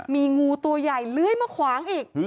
มีงูตัวใหญ่เลื้อยมาขวางอีก